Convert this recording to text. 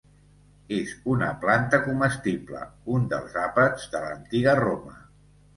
És una planta comestible, un dels àpats de l'antiga Roma.